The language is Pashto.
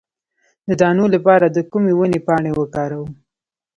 د دانو لپاره د کومې ونې پاڼې وکاروم؟